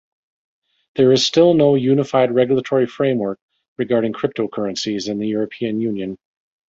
There is still no unified regulatory framework regarding cryptocurrencies in the European Union.